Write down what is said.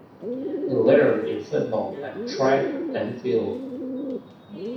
He lettered in football and track and field.